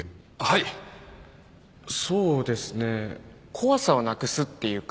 怖さをなくすっていうか。